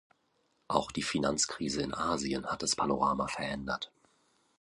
Auch die Finanzkrise in Asien hat das Panorama verändert.